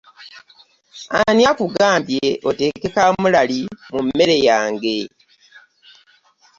Ani akugambye oteeke kamulali mu mmere yange?